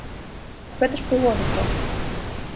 Гэта ж прыгожа проста.